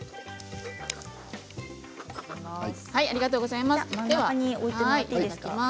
ありがとうございます。